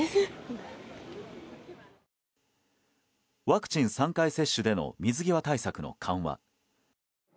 ワクチン３回接種での水際対策の緩和。